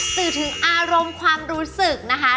สื่อถึงอารมณ์ความรู้สึกนะคะ